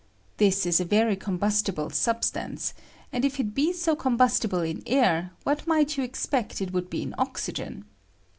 This is a very combustible substance ; and if it be so combustible in air, what might you expect it wotd'd be in oxygen